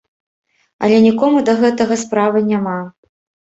Але нікому да гэтага справы няма.